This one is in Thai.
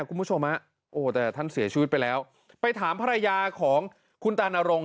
คุณผู้ชมฮะโอ้แต่ท่านเสียชีวิตไปแล้วไปถามภรรยาของคุณตานรงค